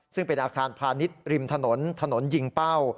ซึ่งเป็นอาคารพาณิชย์ริมถนนถนนยิงเป้า